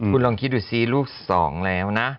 คุณลองคิดดูสิลูกสองแล้วนะ